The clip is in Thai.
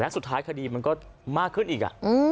สุดท้ายคดีมันก็มากขึ้นอีก